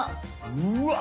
うわっ！